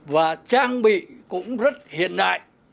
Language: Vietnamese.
và trang bị cũng rất hiện đại